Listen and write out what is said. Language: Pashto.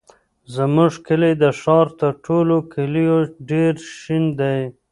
زموږ کلی د ښار تر ټولو کلیو ډېر شین دی.